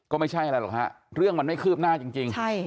ก็ไม่ใช่อะไรหรอกฮะเรื่องมันไม่คืบหน้าจริง